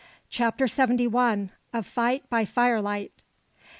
CHAPTER SEVENTY ONE. A FIGHT BY FIRELIGHT.